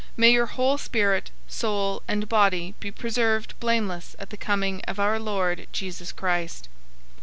May your whole spirit, soul, and body be preserved blameless at the coming of our Lord Jesus Christ.